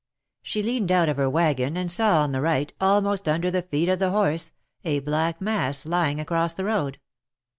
She leaned out of her wagon, and saw on the right, almost under the feet of the horse, a black mass lying across the road.